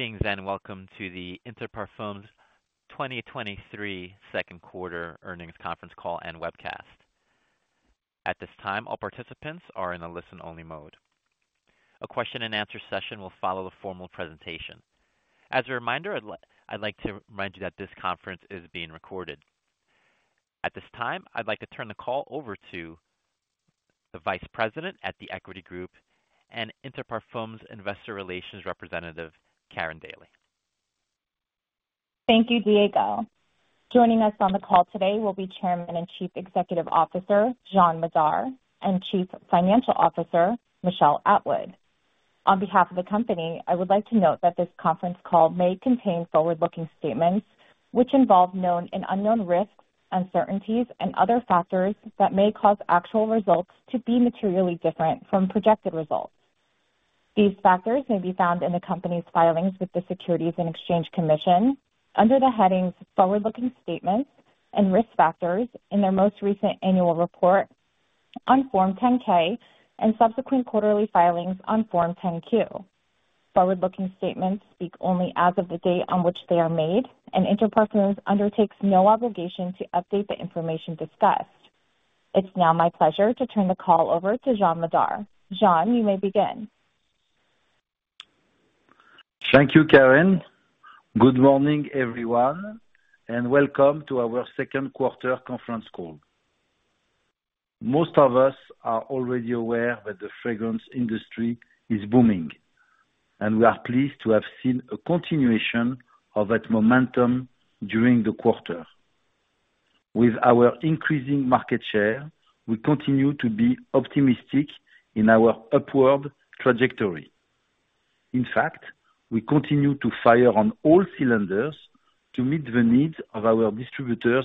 Greetings, welcome to the Inter Parfums 2023 Second Quarter Earnings Conference Call and Webcast. At this time, all participants are in a listen-only mode. A question and answer session will follow the formal presentation. As a reminder, I'd like, I'd like to remind you that this conference is being recorded. At this time, I'd like to turn the call over to the Vice President at The Equity Group and Inter Parfums Investor Relations representative, Karin Daly. Thank you, Diego. Joining us on the call today will be Chairman and Chief Executive Officer; Jean Madar, and Chief Financial Officer; Michel Atwood. On behalf of the company, I would like to note that this conference call may contain forward-looking statements, which involve known and unknown risks, uncertainties, and other factors that may cause actual results to be materially different from projected results. These factors may be found in the company's filings with the Securities and Exchange Commission under the headings: Forward-Looking Statements and Risk Factors in their most recent annual report on Form 10-K and subsequent quarterly filings on Form 10-Q. Forward-looking statements speak only as of the date on which they are made, Inter Parfums undertakes no obligation to update the information discussed. It's now my pleasure to turn the call over to Jean Madar. Jean, you may begin. Thank you, Karin. Good morning, everyone, welcome to our second quarter conference call. Most of us are already aware that the fragrance industry is booming, we are pleased to have seen a continuation of that momentum during the quarter. With our increasing market share, we continue to be optimistic in our upward trajectory. In fact, we continue to fire on all cylinders to meet the needs of our distributors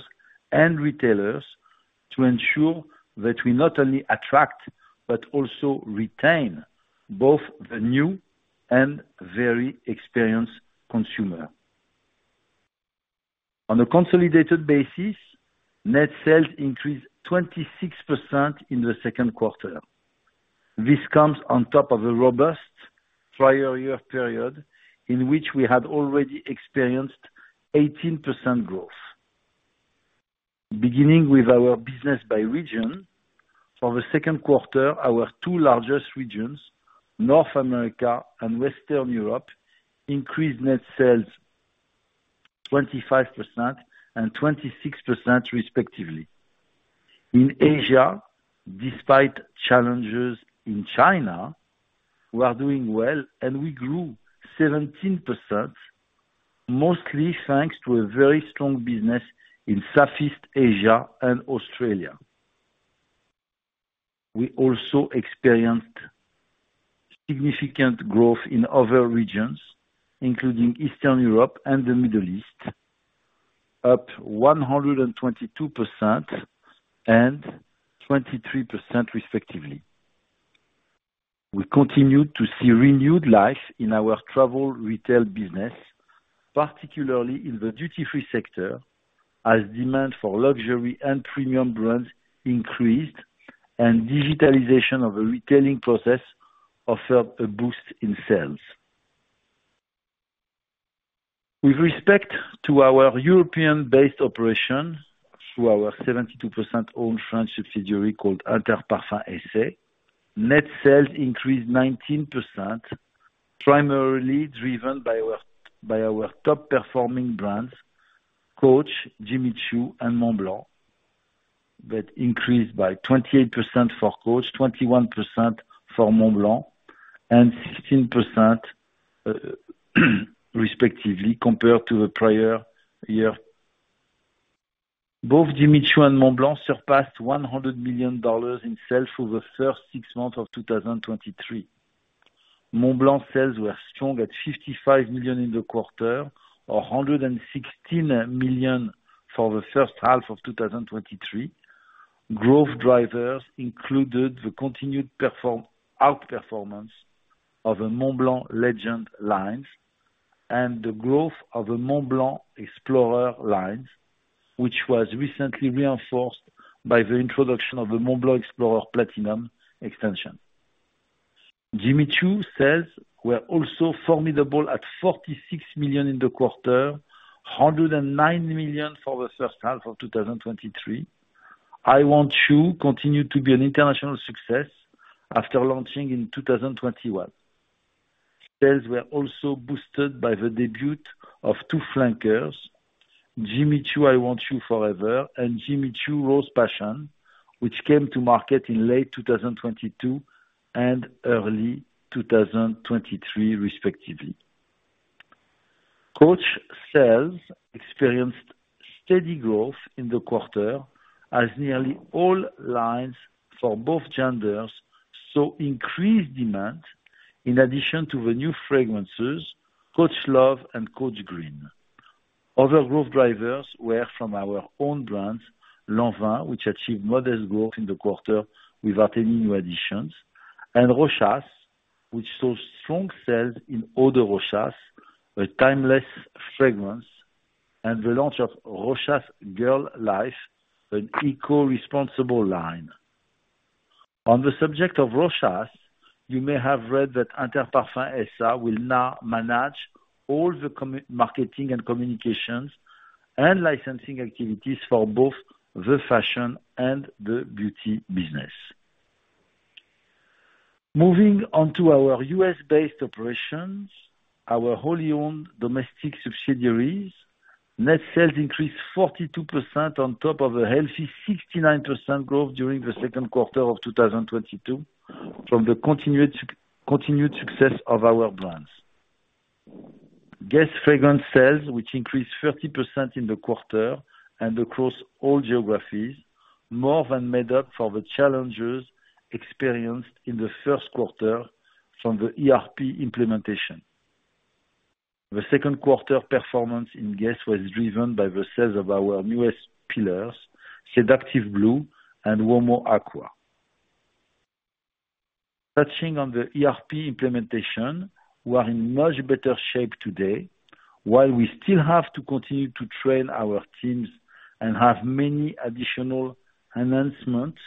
and retailers to ensure that we not only attract, but also retain both the new and very experienced consumer. On a consolidated basis, net sales increased 26% in the second quarter. This comes on top of a robust prior year period, in which we had already experienced 18% growth. Beginning with our business by region. For the second quarter, our two largest regions, North America and Western Europe, increased net sales 25% and 26%, respectively. In Asia, despite challenges in China, we are doing well, we grew 17%, mostly thanks to a very strong business in Southeast Asia and Australia. We also experienced significant growth in other regions, including Eastern Europe and the Middle East, up 122% and 23%, respectively. We continue to see renewed life in our travel retail business, particularly in the duty-free sector, as demand for luxury and premium brands increased, and digitalization of the retailing process offered a boost in sales. With respect to our European-based operation, through our 72% owned French subsidiary called Interparfums SA, net sales increased 19%, primarily driven by our top performing brands, Coach, Jimmy Choo and Montblanc, that increased by 28% for Coach, 21% for Montblanc, and 16%, respectively, compared to the prior year. Both Jimmy Choo and Montblanc surpassed $100 million in sales for the first six months of 2023. Montblanc sales were strong at $55 million in the quarter, or $116 million for the first half of 2023. Growth drivers included the continued outperformance of the Montblanc Legend lines and the growth of the Montblanc Explorer lines, which was recently reinforced by the introduction of the Montblanc Explorer Platinum extension. Jimmy Choo sales were also formidable at $46 million in the quarter, $109 million for the first half of 2023. I Want Choo continued to be an international success after launching in 2021. Sales were also boosted by the debut of two flankers, Jimmy Choo I Want Choo Forever and Jimmy Choo Rose Passion, which came to market in late 2022 and early 2023, respectively. Coach sales experienced steady growth in the quarter, as nearly all lines for both genders saw increased demand in addition to the new fragrances, Coach Love and Coach Green. Other growth drivers were from our own brands, Lanvin, which achieved modest growth in the quarter without any new additions, and Rochas, which saw strong sales in Eau de Rochas, a timeless fragrance, and the launch of Rochas Girl Life, an eco-responsible line....On the subject of Rochas, you may have read that Inter Parfums SA will now manage all the marketing and communications and licensing activities for both the fashion and the beauty business. Moving on to our U.S.-based operations, our wholly owned domestic subsidiaries, net sales increased 42% on top of a healthy 69% growth during the second quarter of 2022, from the continued success of our brands. GUESS fragrance sales, which increased 30% in the quarter and across all geographies, more than made up for the challenges experienced in the first quarter from the ERP implementation. The second quarter performance in GUESS was driven by the sales of our newest pillars, Seductive Blue and Uomo Acqua. Touching on the ERP implementation, we are in much better shape today. While we still have to continue to train our teams and have many additional enhancements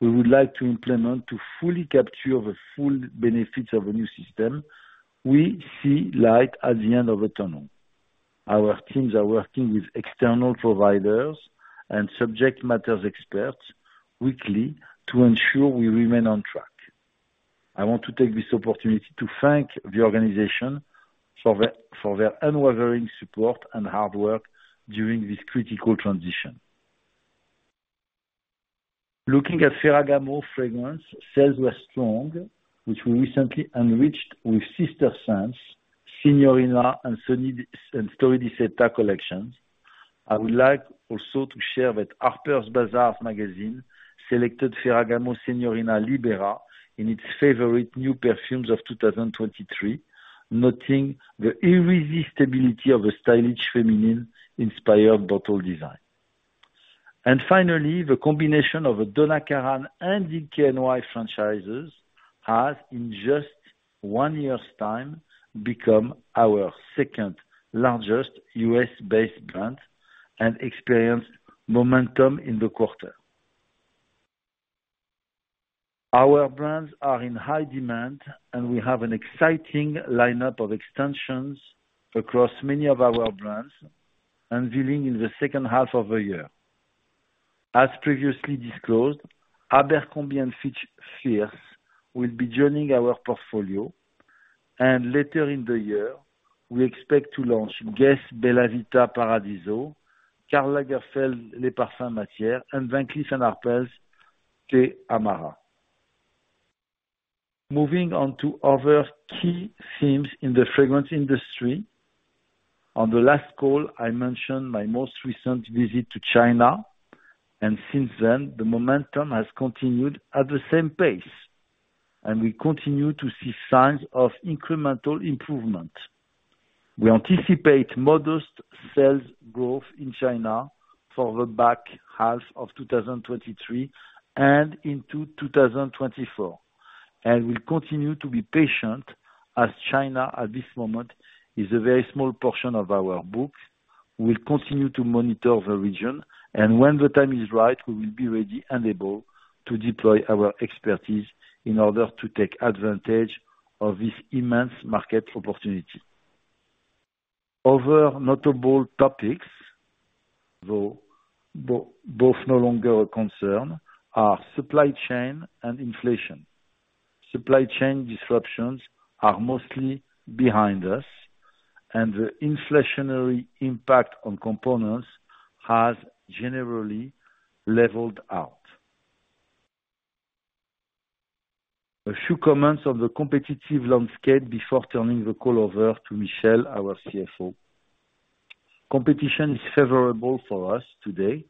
we would like to implement to fully capture the full benefits of a new system, we see light at the end of the tunnel. Our teams are working with external providers and subject matter experts weekly to ensure we remain on track. I want to take this opportunity to thank the organization for their unwavering support and hard work during this critical transition. Looking at Ferragamo fragrance, sales were strong, which we recently enriched with sister scents, Signorina and Storie di Seta collections. I would like also to share that Harper's Bazaar magazine selected Ferragamo Signorina Libera in its favorite new perfumes of 2023, noting the irresistibility of the stylish, feminine inspired bottle design. Finally, the combination of a Donna Karan and DKNY franchises has, in just one year's time, become our second largest U.S.-based brand and experienced momentum in the quarter. Our brands are in high demand. We have an exciting lineup of extensions across many of our brands unveiling in the second half of the year. As previously disclosed, Abercrombie & Fitch Fierce will be joining our portfolio. Later in the year, we expect to launch GUESS Bella Vita Paradiso, Karl Lagerfeld Les Parfums Matieres, and Van Cleef & Arpels Thé Amara. Moving on to other key themes in the fragrance industry. On the last call, I mentioned my most recent visit to China. Since then, the momentum has continued at the same pace, and we continue to see signs of incremental improvement. We anticipate modest sales growth in China for the back half of 2023 and into 2024, and we'll continue to be patient, as China, at this moment, is a very small portion of our books. We'll continue to monitor the region, and when the time is right, we will be ready and able to deploy our expertise in order to take advantage of this immense market opportunity. Other notable topics, though both no longer a concern, are supply chain and inflation. Supply chain disruptions are mostly behind us, and the inflationary impact on components has generally leveled out. A few comments on the competitive landscape before turning the call over to Michel, our CFO. Competition is favorable for us today,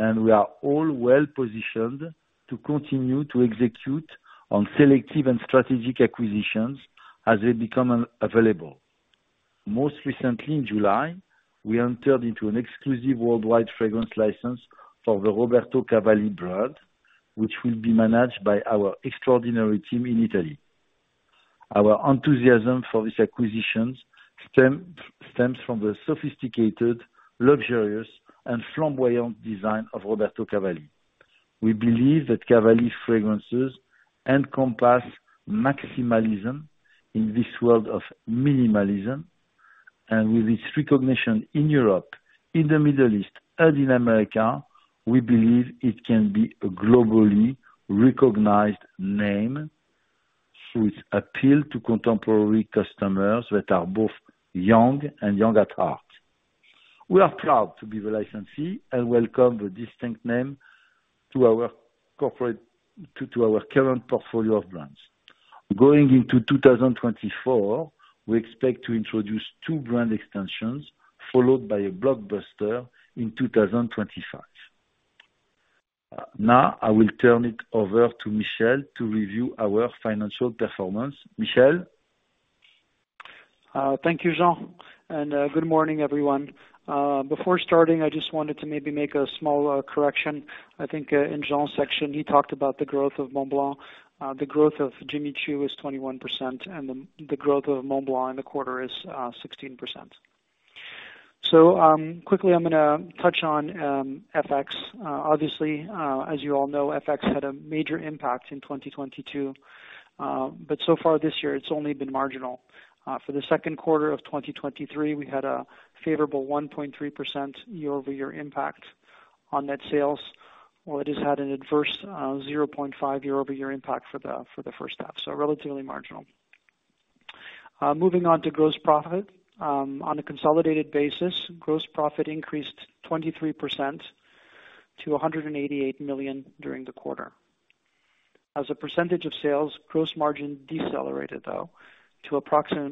and we are all well positioned to continue to execute on selective and strategic acquisitions as they become available. Most recently in July, we entered into an exclusive worldwide fragrance license for the Roberto Cavalli brand, which will be managed by our extraordinary team in Italy. Our enthusiasm for this acquisition stems from the sophisticated, luxurious, and flamboyant design of Roberto Cavalli. We believe that Cavalli fragrances encompass maximalism in this world of minimalism, and with its recognition in Europe, in the Middle East, and in America, we believe it can be a globally recognized name through its appeal to contemporary customers that are both young and young at heart. We are proud to be the licensee and welcome the distinct name to our current portfolio of brands. Going into 2024, we expect to introduce 2 brand extensions, followed by a blockbuster in 2025. Now, I will turn it over to Michel to review our financial performance. Michel? Thank you, Jean, good morning, everyone. Before starting, I just wanted to maybe make a small correction. I think, in Jean's section, he talked about the growth of Montblanc. The growth of Jimmy Choo is 21%, and the growth of Montblanc in the quarter is 16%. Quickly, I'm gonna touch on FX. Obviously, as you all know, FX had a major impact in 2022, but so far this year, it's only been marginal. For the second quarter of 2023, we had a favorable 1.3% year-over-year impact on net sales, while it has had an adverse 0.5% year-over-year impact for the first half, so relatively marginal. Moving on to gross profit. On a consolidated basis, gross profit increased 23% to $188 million during the quarter. As a percentage of sales, gross margin decelerated, though,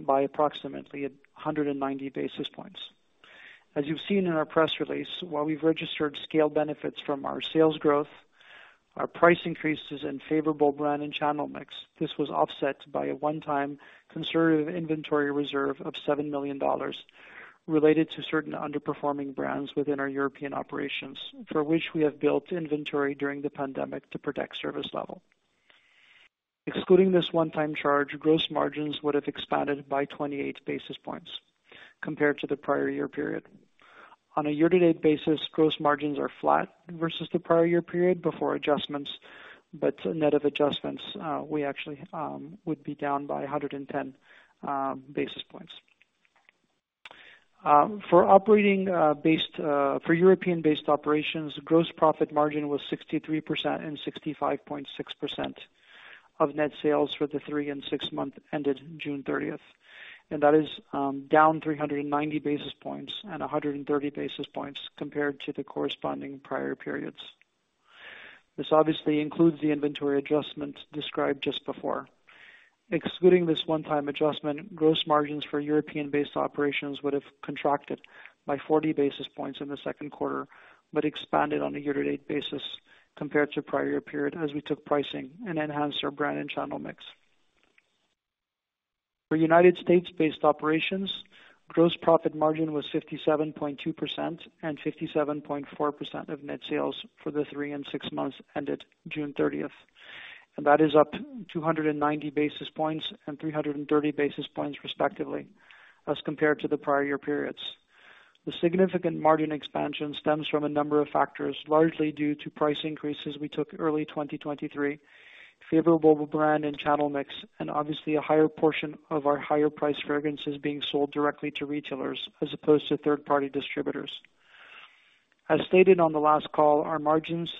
by approximately 190 basis points. As you've seen in our press release, while we've registered scale benefits from our sales growth, our price increases and favorable brand and channel mix, this was offset by a one-time conservative inventory reserve of $7 million related to certain underperforming brands within our European operations, for which we have built inventory during the pandemic to protect service level. Excluding this one-time charge, gross margins would have expanded by 28 basis points compared to the prior year period. On a year-to-date basis, gross margins are flat versus the prior year period before adjustments, but net of adjustments, we actually would be down by 110 basis points. For operating based for European-based operations, gross profit margin was 63% and 65.6% of net sales for the three and six month ended June 30th, and that is down 390 basis points and 130 basis points compared to the corresponding prior periods. This obviously includes the inventory adjustment described just before. Excluding this one-time adjustment, gross margins for European-based operations would have contracted by 40 basis points in the second quarter, but expanded on a year-to-date basis compared to prior period, as we took pricing and enhanced our brand and channel mix. For United States-based operations, gross profit margin was 57.2% and 57.4% of net sales for the three and six months ended June 30th, and that is up 290 basis points and 330 basis points respectively as compared to the prior year periods. The significant margin expansion stems from a number of factors, largely due to price increases we took early 2023, favorable brand and channel mix, and obviously a higher portion of our higher price fragrances being sold directly to retailers as opposed to third-party distributors. As stated on the last call, our margins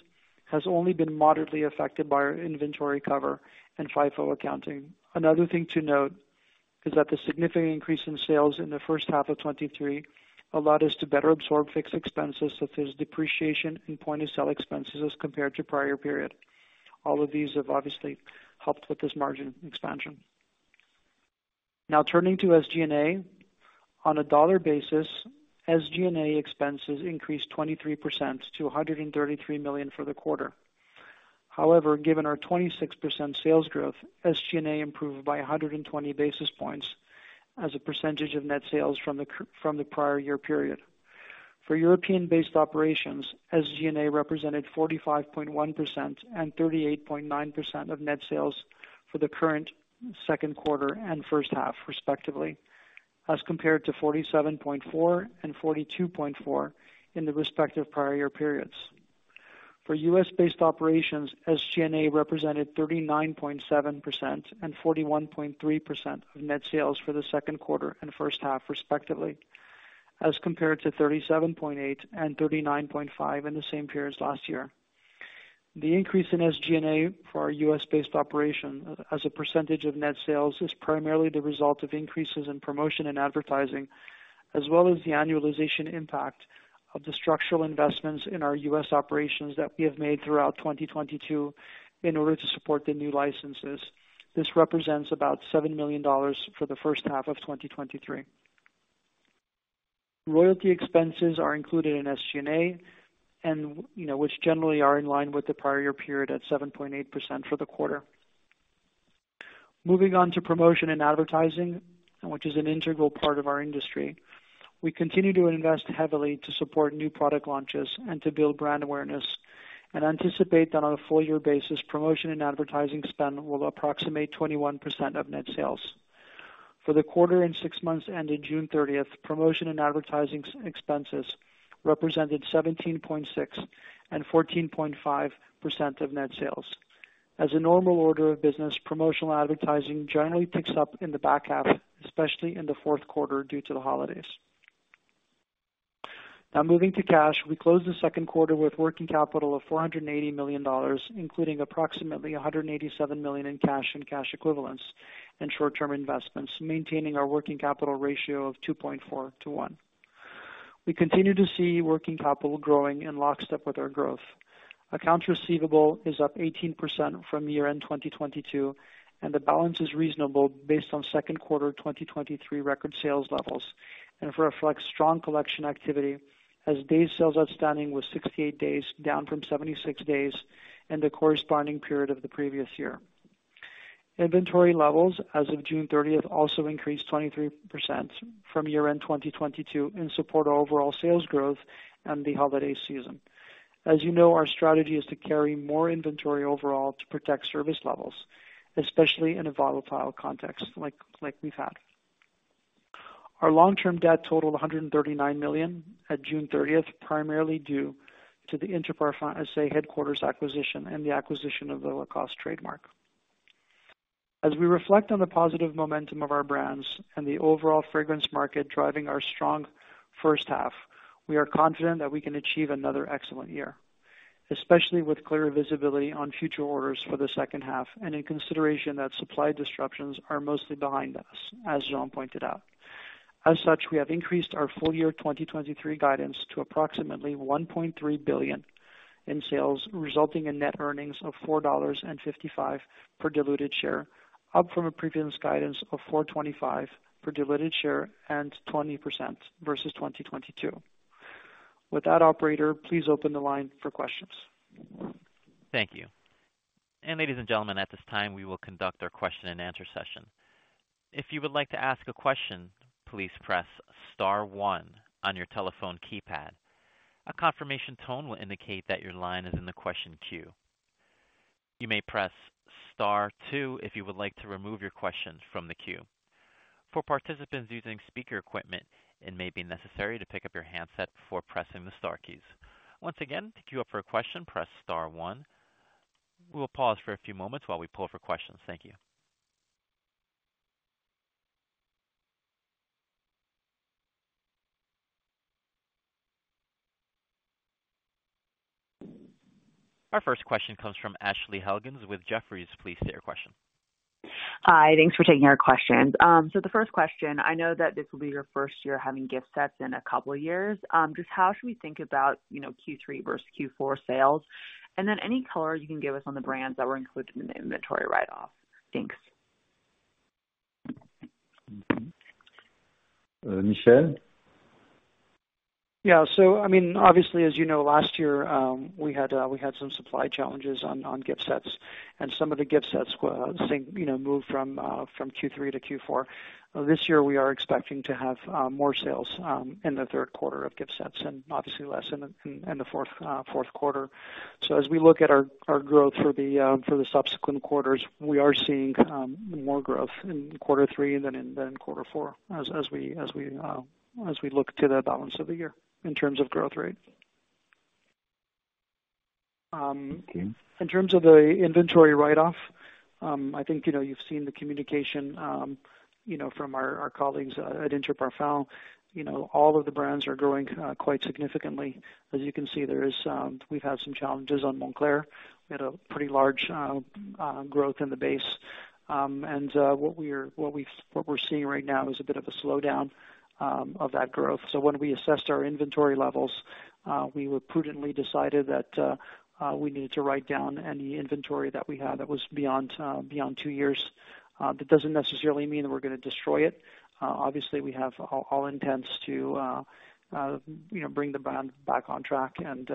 has only been moderately affected by our inventory cover and FIFO accounting. Another thing to note is that the significant increase in sales in the first half of 2023 allowed us to better absorb fixed expenses, such as depreciation and point-of-sale expenses, as compared to prior period. All of these have obviously helped with this margin expansion. Turning to SG&A. On a dollar basis, SG&A expenses increased 23% to $133 million for the quarter. Given our 26% sales growth, SG&A improved by 120 basis points as a percentage of net sales from the prior year period. For European-based operations, SG&A represented 45.1% and 38.9% of net sales for the current second quarter and first half, respectively, as compared to 47.4 and 42.4 in the respective prior year periods. For U.S.-based operations, SG&A represented 39.7% and 41.3% of net sales for the 2Q and first half, respectively, as compared to 37.8% and 39.5% in the same periods last year. The increase in SG&A for our U.S.-based operation as a percentage of net sales, is primarily the result of increases in promotion and advertising, as well as the annualization impact of the structural investments in our U.S. operations that we have made throughout 2022 in order to support the new licenses. This represents about $7 million for the first half of 2023. Royalty expenses are included in SG&A and, you know, which generally are in line with the prior period at 7.8% for the quarter. Moving on to promotion and advertising, which is an integral part of our industry, we continue to invest heavily to support new product launches and to build brand awareness, and anticipate that on a full year basis, promotion and advertising spend will approximate 21% of net sales. For the quarter and six months ended June 30th, promotion and advertising expenses represented 17.6% and 14.5% of net sales. As a normal order of business, promotional advertising generally picks up in the back half, especially in the 4th quarter, due to the holidays. Now, moving to cash, we closed the 2nd quarter with working capital of $480 million, including approximately $187 million in cash and cash equivalents and short-term investments, maintaining our working capital ratio of 2.4 to 1. We continue to see working capital growing in lockstep with our growth. Accounts receivable is up 18% from year-end 2022, and the balance is reasonable based on second quarter 2023 record sales levels, and it reflects strong collection activity, as days sales outstanding was 68 days, down from 76 days in the corresponding period of the previous year. Inventory levels as of June 30th also increased 23% from year-end 2022 in support of overall sales growth and the holiday season. As you know, our strategy is to carry more inventory overall to protect service levels, especially in a volatile context like we've had. Our long-term debt totaled $139 million at June 30th, primarily due to the Interparfums SA headquarters acquisition and the acquisition of the Lacoste trademark. As we reflect on the positive momentum of our brands and the overall fragrance market driving our strong first half, we are confident that we can achieve another excellent year, especially with clear visibility on future orders for the second half, and in consideration that supply disruptions are mostly behind us, as Jean pointed out. As such, we have increased our full year 2023 guidance to approximately $1.3 billion in sales, resulting in net earnings of $4.55 per diluted share, up from a previous guidance of $4.25 per diluted share and 20% versus 2022. With that, operator, please open the line for questions. Thank you. Ladies and gentlemen, at this time, we will conduct our question and answer session. If you would like to ask a question, please press star one on your telephone keypad. A confirmation tone will indicate that your line is in the question queue. You may press star two if you would like to remove your questions from the queue. For participants using speaker equipment, it may be necessary to pick up your handset before pressing the star keys. Once again, to queue up for a question, press star one. We will pause for a few moments while we pull for questions. Thank you. Our first question comes from Ashley Helgans with Jefferies. Please state your question. Hi, thanks for taking our questions. The first question, I know that this will be your first year having gift sets in a couple of years. Just how should we think about, you know, Q3 versus Q4 sales? Any color you can give us on the brands that were included in the inventory write-off. Thanks. Michel? Yeah. I mean, obviously, as you know, last year, we had we had some supply challenges on gift sets, and some of the gift sets, you know, moved from Q3 to Q4. This year, we are expecting to have more sales in the third quarter of gift sets and obviously less in the fourth quarter. As we look at our growth for the subsequent quarters, we are seeing more growth in quarter three than in quarter four, as as we as we look to the balance of the year in terms of growth rate. Okay. In terms of the inventory write-off, I think, you know, you've seen the communication, you know, from our colleagues at Interparfums. You know, all of the brands are growing quite significantly. As you can see, there is, we've had some challenges on Moncler. We had a pretty large growth in the base, and what we are... What we, what we're seeing right now is a bit of a slowdown of that growth. So when we assessed our inventory levels, we were prudently decided that we needed to write down any inventory that we had that was beyond two years. That doesn't necessarily mean that we're going to destroy it. Obviously, we have all, all intents to, you know, bring the brand back on track and,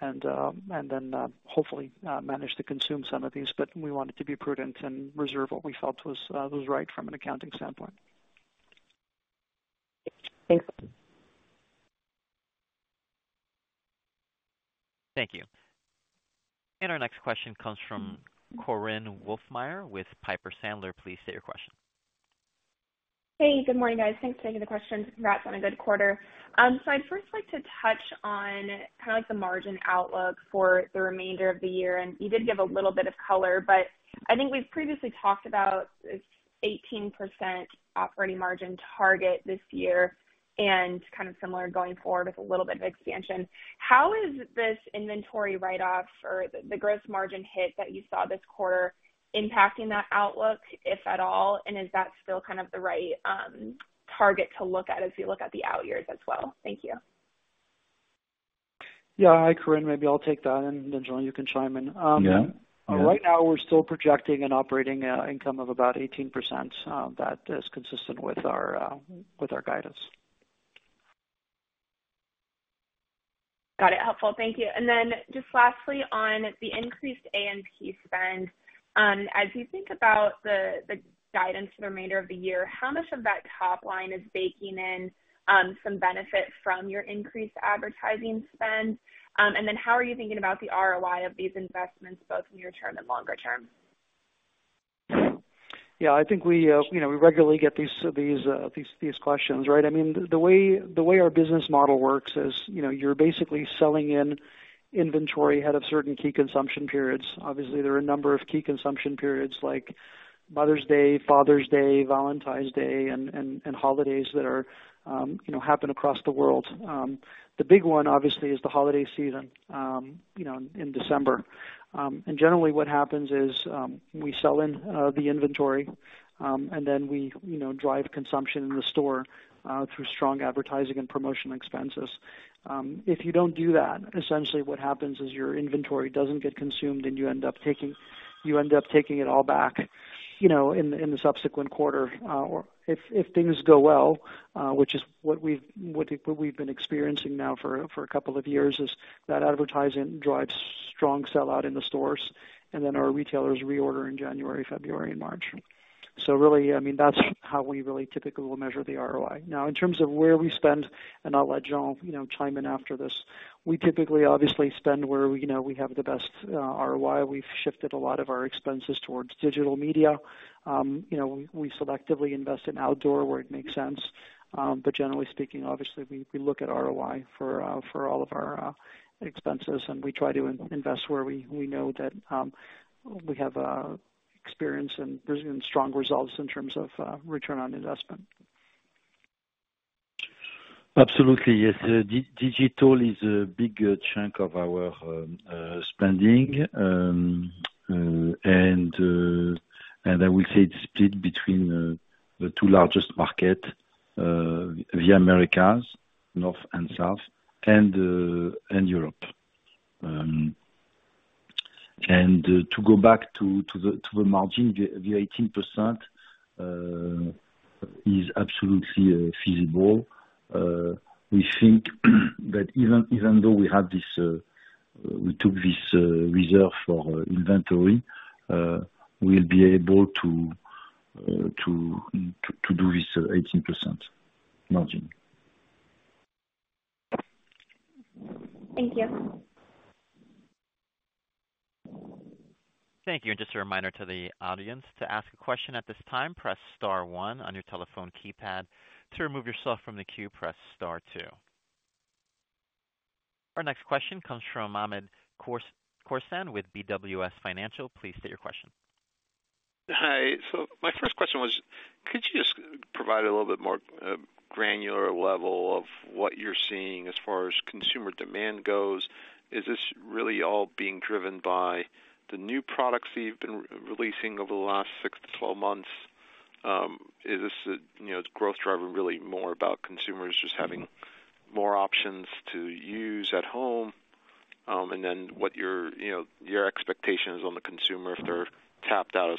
and, and then, hopefully, manage to consume some of these, but we wanted to be prudent and reserve what we felt was, was right from an accounting standpoint. Thanks. Thank you. Our next question comes from Korinne Wolfmeyer, with Piper Sandler. Please state your question. Hey, good morning, guys. Thanks for taking the questions. Congrats on a good quarter. I'd first like to touch on kind of like the margin outlook for the remainder of the year, and you did give a little bit of color, but I think we've previously talked about this 18% operating margin target this year and kind of similar going forward with a little bit of expansion. How is this inventory write-off or the, the gross margin hit that you saw this quarter impacting that outlook, if at all, and is that still kind of the right target to look at as you look at the out years as well? Thank you. Yeah. Hi, Korinne. Maybe I'll take that, and then, Jean, you can chime in. Yeah. Right now we're still projecting an operating income of about 18%. That is consistent with our guidance. Got it. Helpful. Thank you. Just lastly, on the increased A&P spend, as you think about the guidance for the remainder of the year, how much of that top line is baking in some benefit from your increased advertising spend? And then how are you thinking about the ROI of these investments, both near term and longer term? Yeah, I think we, you know, we regularly get these, these, these, these questions, right? I mean, the way, the way our business model works is, you know, you're basically selling in inventory ahead of certain key consumption periods. Obviously, there are a number of key consumption periods, like Mother's Day, Father's Day, Valentine's Day, and, and, and holidays that are, you know, happen across the world. The big one, obviously, is the holiday season, you know, in December. Generally, what happens is, we sell in the inventory, and then we, you know, drive consumption in the store, through strong advertising and promotional expenses. If you don't do that, essentially what happens is your inventory doesn't get consumed, and you end up taking, you end up taking it all back, you know, in, in the subsequent quarter. If, if things go well, which is what we've, what we've been experiencing now for, for a couple of years, is that advertising drives strong sell-out in the stores, and then our retailers reorder in January, February, and March. Really, I mean, that's how we really typically will measure the ROI. Now, in terms of where we spend, and I'll let Jean, you know, chime in after this, we typically obviously spend where we, you know, we have the best ROI. We've shifted a lot of our expenses towards digital media. You know, we, we selectively invest in outdoor, where it makes sense. Generally speaking, obviously, we, we look at ROI for all of our expenses, and we try to invest where we know that we have experience and strong results in terms of return on investment. Absolutely, yes. Digital is a big chunk of our spending. I will say it's split between the two largest markets, the Americas, North and South, and Europe. To go back to the margin, the 18% is absolutely feasible. We think that even, even though we have this, we took this reserve for inventory, we'll be able to do this 18% margin. Thank you. Thank you, and just a reminder to the audience, to ask a question at this time, press star one on your telephone keypad. To remove yourself from the queue, press star two. Our next question comes from Hamed Khorsand with BWS Financial. Please state your question. Hi. My first question was, could you just provide a little bit more granular level of what you're seeing as far as consumer demand goes? Is this really all being driven by the new products that you've been re-releasing over the last 6-12 months? Is this, you know, is growth driver really more about consumers just having more options to use at home? What your, you know, your expectations on the consumer, if they're tapped out as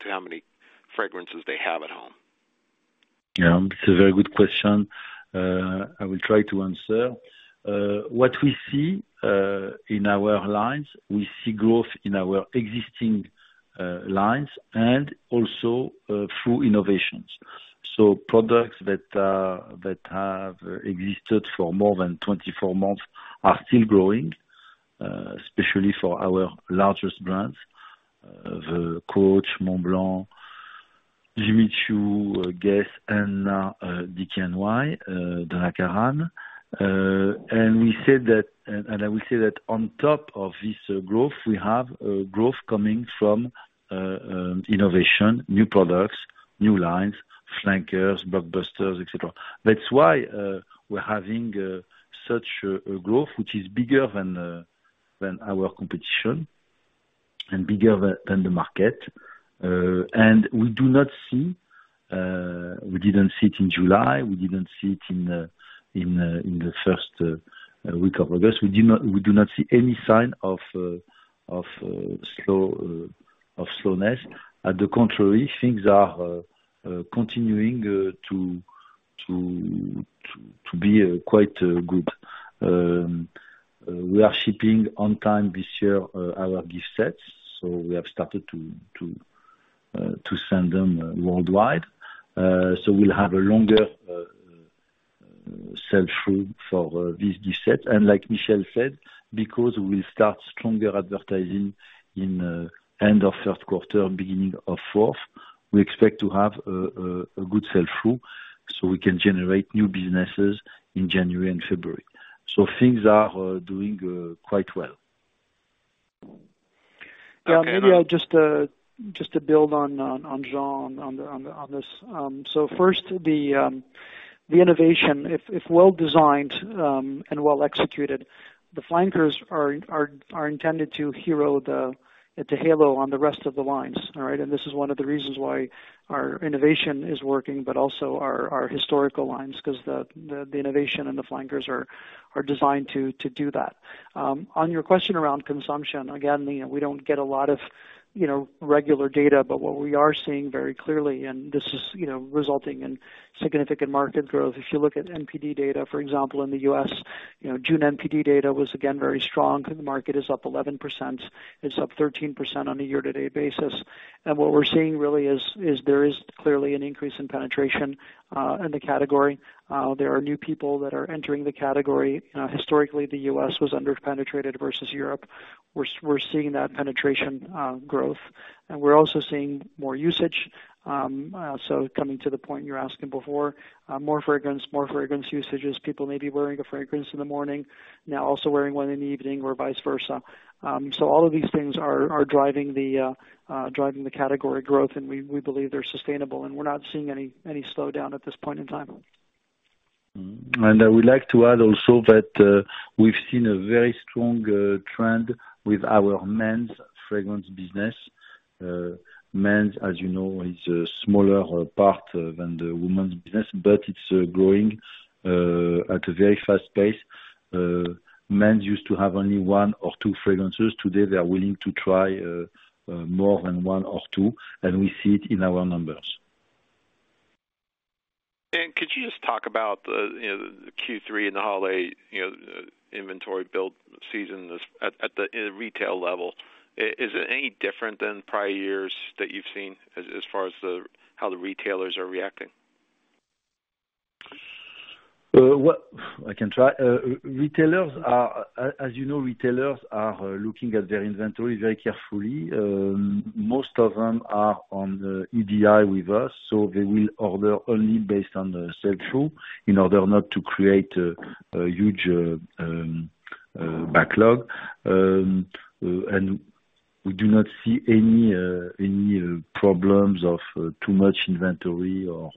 to how many fragrances they have at home? Yeah, it's a very good question. I will try to answer. What we see in our lines, we see growth in our existing lines and also through innovations. So products that have existed for more than 24 months are still growing, especially for our largest brands, the Coach, Montblanc, Jimmy Choo, GUESS, and DKNY, Donna Karan. I will say that on top of this growth, we have growth coming from innovation, new products, new lines, flankers, blockbusters, et cetera. That's why we're having such a growth, which is bigger than than our competition, and bigger than the market. We do not see, we didn't see it in July, we didn't see it in the first week of August. We do not, we do not see any sign of slowness. At the contrary, things are continuing to be quite good. We are shipping on time this year, our gift sets, so we have started to send them worldwide. We'll have a longer sell through for this gift set. Like Michel said, because we start stronger advertising in end of third quarter and beginning of fourth, we expect to have a good sell through, so we can generate new businesses in January and February. Things are doing quite well. Okay. Yeah, maybe I'll just, just to build on, on, on, Jean, on, on, on this. So first, the innovation, if, if well designed, and well executed, the flankers are, are, are intended to hero the- it's a halo on the rest of the lines, all right? This is one of the reasons why our innovation is working, but also our, our historical lines, 'cause the, the, the innovation and the flankers are, are designed to, to do that. On your question around consumption, again, you know, we don't get a lot of, you know, regular data, but what we are seeing very clearly, and this is, you know, resulting in significant market growth. If you look at NPD data, for example, in the U.S., you know, June NPD data was again, very strong. The market is up 11%. It's up 13% on a year-to-date basis. What we're seeing really is, is there is clearly an increase in penetration in the category. There are new people that are entering the category. Historically, the U.S. was under-penetrated versus Europe. We're seeing that penetration growth, and we're also seeing more usage. Coming to the point you're asking before, more fragrance, more fragrance usages. People may be wearing a fragrance in the morning, now also wearing one in the evening or vice versa. All of these things are, are driving the driving the category growth, and we, we believe they're sustainable, and we're not seeing any, any slowdown at this point in time. Mm-hmm. I would like to add also that, we've seen a very strong trend with our men's fragrance business. Men's, as you know, is a smaller part than the women's business, but it's growing at a very fast pace. Men's used to have only one or two fragrances. Today, they are willing to try more than one or two, and we see it in our numbers. Could you just talk about the, you know, the Q3 and the holiday, you know, inventory build season this, in the retail level? Is it any different than prior years that you've seen as far as how the retailers are reacting? I can try. Retailers are, as you know, retailers are looking at their inventory very carefully. Most of them are on the EDI with us, so they will order only based on the sell-through, in order not to create a huge backlog. We do not see any problems of too much inventory or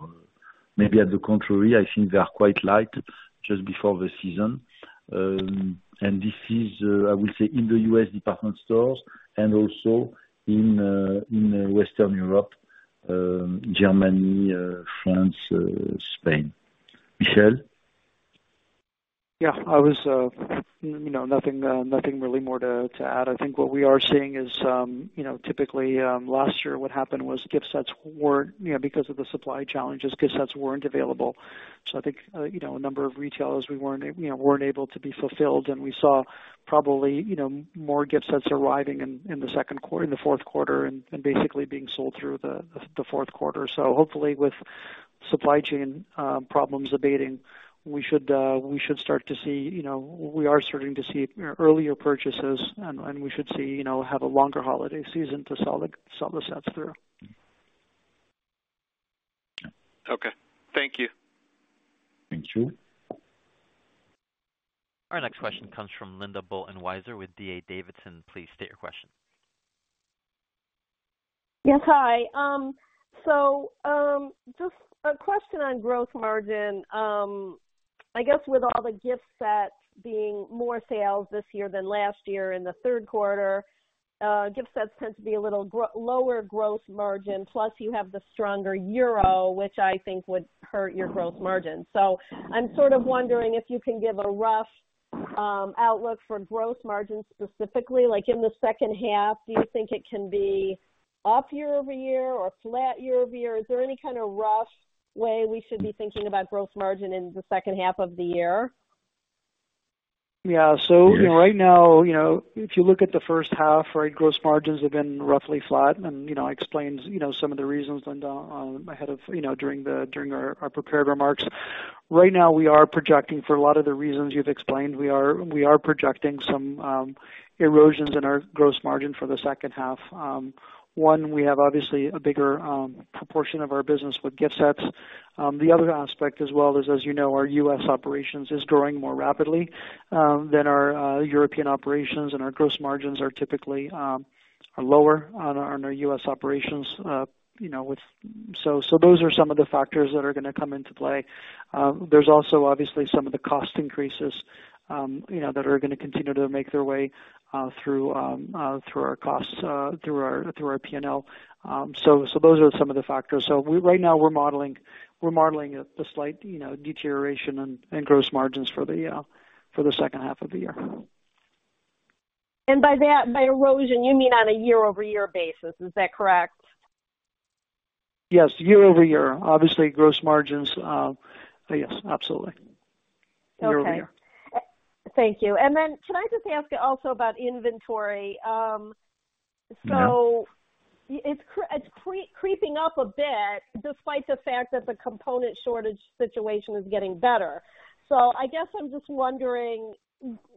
maybe at the contrary, I think they are quite light just before the season. This is, I would say in the U.S. department stores and also in Western Europe, Germany, France, Spain. Michel? Yeah, I was, you know, nothing, nothing really more to, to add. I think what we are seeing is, you know, typically, last year, what happened was gift sets weren't, you know, because of the supply challenges, gift sets weren't available. I think, you know, a number of retailers we weren't, you know, weren't able to be fulfilled, and we saw probably, you know, more gift sets arriving in, in the second quarter, in the fourth quarter and, and basically being sold through the, the fourth quarter. Hopefully with supply chain problems abating, we should, we should start to see, you know, we are starting to see earlier purchases, and, and we should see, you know, have a longer holiday season to sell the, sell the sets through. Okay. Thank you. Thank you. Our next question comes from Linda Bolton-Weiser with D.A. Davidson. Please state your question. Yes, hi. Just a question on gross margin. I guess with all the gift sets being more sales this year than last year in the 3rd quarter, gift sets tend to be a little lower gross margin, plus you have the stronger euro, which I think would hurt your gross margin. I'm sort of wondering if you can give a rough outlook for gross margin, specifically, like in the second half, do you think it can be up year-over-year or flat year-over-year? Is there any kind of rough way we should be thinking about gross margin in the second half of the year? Yeah. Yes. right now, if you look at the first half, right, gross margins have been roughly flat. I explained some of the reasons, and ahead of during the, during our, our prepared remarks. Right now, we are projecting for a lot of the reasons you've explained, we are, we are projecting some erosions in our gross margin for the second half. One, we have obviously a bigger proportion of our business with gift sets. The other aspect as well is, as our U.S. operations is growing more rapidly than our European operations, and our gross margins are typically are lower on our, on our U.S. operations with. so those are some of the factors that are gonna come into play. There's also obviously some of the cost increases, you know, that are gonna continue to make their way through our costs, through our PNL. So those are some of the factors. We, right now we're modeling the slight, you know, deterioration and gross margins for the second half of the year. By that, by erosion, you mean on a year-over-year basis, is that correct? Yes, year-over-year. Obviously, gross margins, yes, absolutely. Okay. Year-over-year. Thank you. Then can I just ask you also about inventory? Mm-hmm. It's creeping up a bit, despite the fact that the component shortage situation is getting better. I guess I'm just wondering,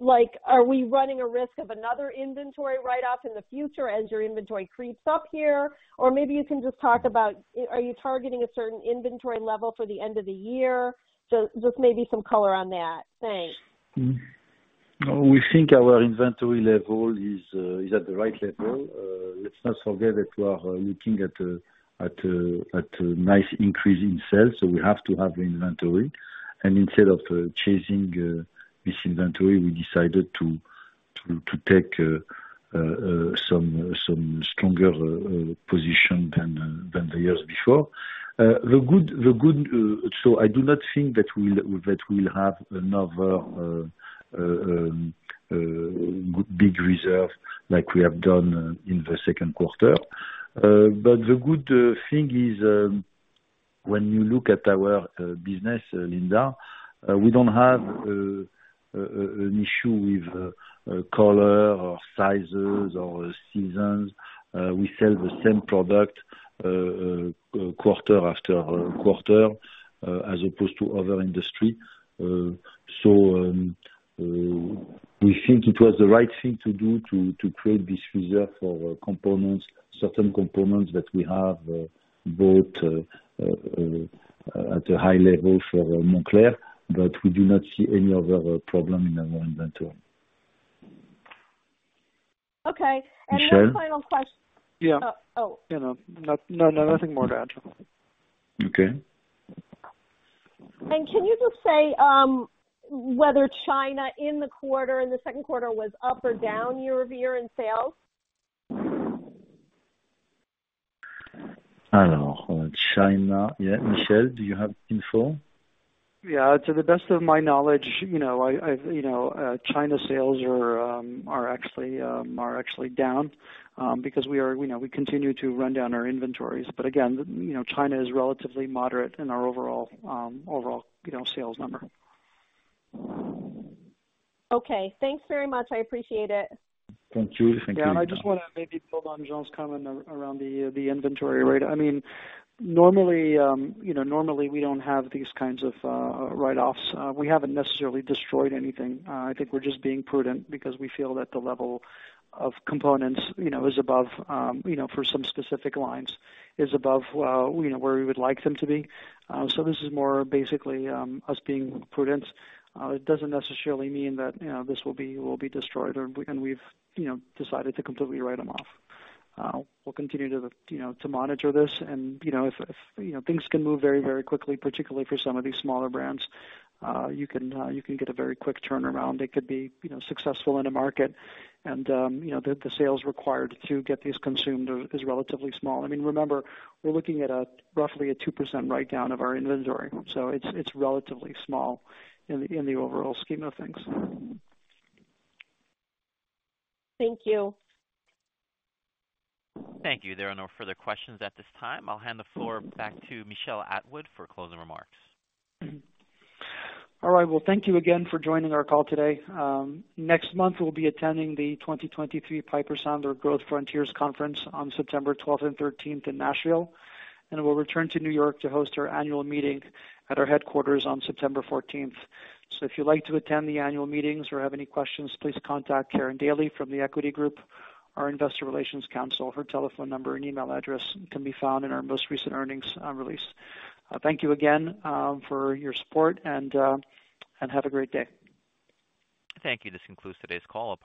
like, are we running a risk of another inventory write-off in the future as your inventory creeps up here? Maybe you can just talk about, are you targeting a certain inventory level for the end of the year? Just maybe some color on that. Thanks. We think our inventory level is at the right level. Let's not forget that we are looking at a nice increase in sales, so we have to have inventory. Instead of chasing this inventory, we decided to take some stronger position than the years before. I do not think that we'll have another big reserve like we have done in the second quarter. The good thing is, when you look at our business, Linda, we don't have an issue with color or sizes or seasons. We sell the same product quarter after quarter, as opposed to other industry. We think it was the right thing to do to, to create this reserve for components, certain components that we have, bought, at a high level for Moncler, but we do not see any other problem in our inventory. Okay. Michel? One final question. Yeah. Oh, oh. You know, no, nothing more to add. Okay. Can you just say whether China in the quarter, in the second quarter, was up or down year-over-year in sales? China, yeah. Michel, do you have info? Yeah, to the best of my knowledge, you know, I, I've, you know, China sales are actually, are actually down because we are, you know, we continue to run down our inventories. Again, you know, China is relatively moderate in our overall, overall, you know, sales number. Okay, thanks very much. I appreciate it. Thank you. Thank you. Yeah, I just wanna maybe build on Jean's comment around the inventory, right? I mean, normally, you know, normally we don't have these kinds of write-offs. We haven't necessarily destroyed anything. I think we're just being prudent because we feel that the level of components, you know, is above, you know, for some specific lines, is above, you know, where we would like them to be. This is more basically us being prudent. It doesn't necessarily mean that, you know, this will be destroyed, or we've, you know, decided to completely write them off. We'll continue to, you know, to monitor this and, you know, if, if, you know, things can move very, very quickly, particularly for some of these smaller brands, you can get a very quick turnaround. It could be, you know, successful in a market. You know, the, the sales required to get these consumed are, is relatively small. I mean, remember, we're looking at a roughly a 2% write-down of our inventory, so it's, it's relatively small in, in the overall scheme of things. Thank you. Thank you. There are no further questions at this time. I'll hand the floor back to Michel Atwood for closing remarks. All right. Well, thank you again for joining our call today. Next month, we'll be attending the 2023 Piper Sandler Growth Frontiers Conference on September 12th and 13th in Nashville, and we'll return to New York to host our annual meeting at our headquarters on September 14th. If you'd like to attend the annual meetings or have any questions, please contact Karin Daly from The Equity Group, our investor relations council. Her telephone number and email address can be found in our most recent earnings release. Thank you again for your support, and have a great day. Thank you. This concludes today's call. Parties-